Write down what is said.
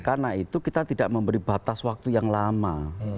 karena itu kita tidak memberi batas waktu yang lama